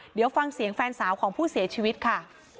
เดี๋ยวฟังเสียงแฟนสาวของผู้เสียชีวิตค่ะ